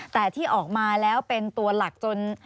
แต่ที่ออกมาแล้วเป็นตัวหลักจน